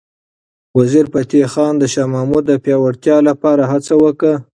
وزیرفتح خان د شاه محمود د پیاوړتیا لپاره هڅه وکړه.